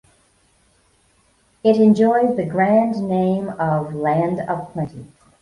It enjoys the grand name of "Land of Plenty".